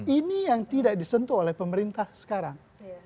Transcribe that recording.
ini yang tidak disentuh oleh pemerintah sekarang